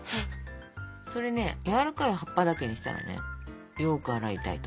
それねやわらかい葉っぱだけにしたらねよく洗いたいと。